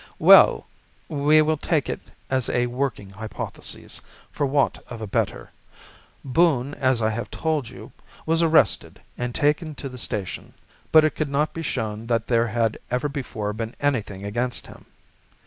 "Well, we will take it as a working hypothesis for want of a better. Boone, as I have told you, was arrested and taken to the station, but it could not be shown that there had ever before been anything against him.